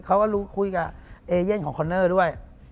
เขาก็รู้คุยกับเอเย่นของคอนเนอร์ด้วย